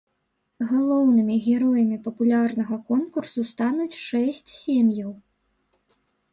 Галоўнымі героямі папулярнага конкурсу стануць шэсць сем'яў.